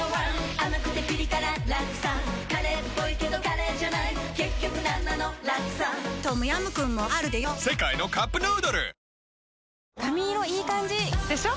甘くてピリ辛ラクサカレーっぽいけどカレーじゃない結局なんなのラクサトムヤムクンもあるでヨ世界のカップヌードル髪色いい感じ！でしょ？